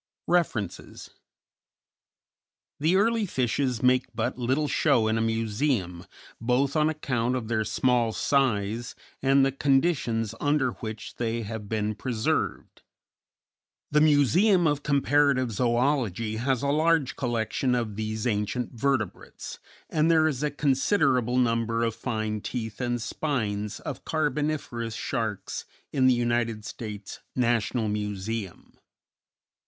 REFERENCES _The early fishes make but little show in a museum, both on account of their small size and the conditions under which they have been preserved. The Museum of Comparative Zoölogy has a large collection of these ancient vertebrates, and there is a considerable number of fine teeth and spines of Carboniferous sharks in the United States National Museum.